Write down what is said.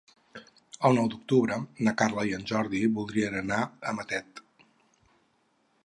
El nou d'octubre na Carla i en Jordi voldrien anar a Matet.